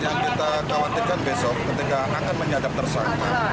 yang kita khawatirkan besok ketika akan menyadap tersangka